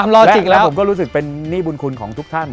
จริงแล้วผมก็รู้สึกเป็นหนี้บุญคุณของทุกท่าน